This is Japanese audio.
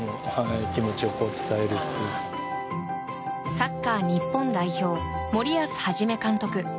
サッカー日本代表森保一監督。